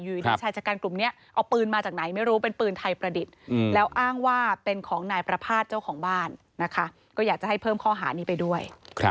อยู่ดีชายชะกันกลุ่มนี้เอาปืนมาจากไหนไม่รู้เป็นปืนไทยประดิษฐ์แล้วอ้างว่าเป็นของนายประภาษณ์เจ้าของบ้านนะคะก็อยากจะให้เพิ่มข้อหานี้ไปด้วย